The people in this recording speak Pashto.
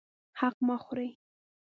حق مه خورئ